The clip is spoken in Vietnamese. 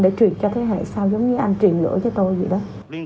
để truyền cho thế hệ sau giống như anh truyền lửa cho tôi vậy đó